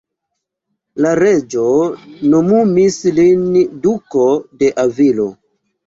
La reĝo nomumis lin Duko de Avilo.